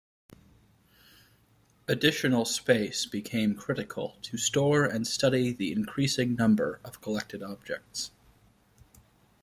Additional space became critical to store and study the increasing number of collected objects.